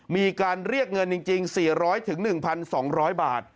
มีการเรียกเงินจริง๔๐๐๑๒๐๐บาท